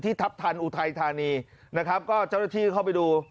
ทัพทันอุทัยธานีนะครับก็เจ้าหน้าที่เข้าไปดู